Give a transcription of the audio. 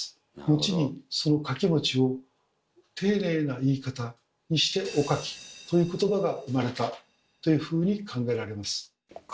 後にその「かきもち」を丁寧な言い方にして「おかき」という言葉が生まれたというふうに考えられます。